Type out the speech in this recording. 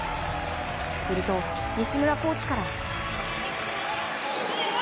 すると西村コーチから。